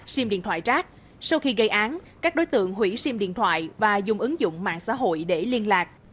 xim điện thoại trác sau khi gây án các đối tượng hủy xim điện thoại và dùng ứng dụng mạng xã hội để liên lạc